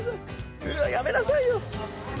うわっやめなさいよ。